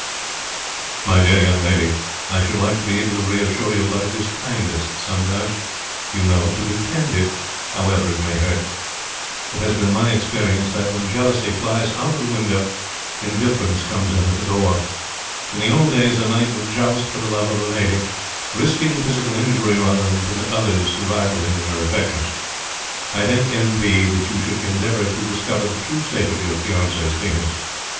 'My dear young lady, I should like to be able to reassure you; but it is kindest sometimes, you know, to be candid, however it may hurt. It has been my experience that, when jealousy flies out of the window, indifference comes in at the door. In the old days a knight would joust for the love of a ladye, risking physical injury rather than permit others to rival him in her affections. I think, M. P., that you should endeavour to discover the true state of your fiance's feelings.